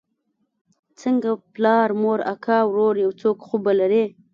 څنگه پلار مور اکا ورور يو څوک خو به لرې.